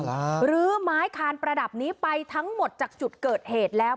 หรือไม้คานประดับนี้ไปทั้งหมดจากจุดเกิดเหตุแล้ว